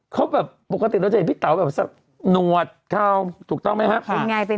เขาแบบปกติเราจะเห็นพี่เต๋าแบบหนวดเข้าถูกต้องไหมครับ